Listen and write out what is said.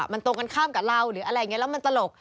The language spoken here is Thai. มันตรงกันข้ามกับเราหรืออะไรอย่างนี้แล้วมันตลก